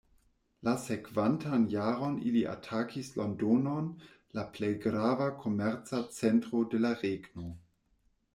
La sekvantan jaron ili atakis Londonon, la plej grava komerca centro de la regno.